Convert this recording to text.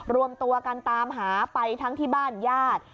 รวมตัวกันตามหาไปทั้งที่บ้านญาติ